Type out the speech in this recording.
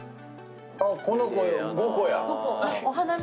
この子５個や。